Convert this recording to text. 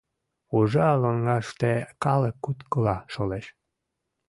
Уржа лоҥгаште калык куткыла шолеш...